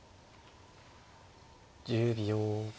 １０秒。